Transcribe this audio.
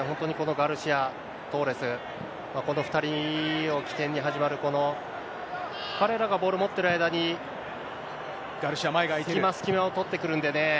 ガルシア、トーレス、この２人を起点に始まるこの、彼らがボール持ってる間に、隙間、隙間を取ってくるんでね。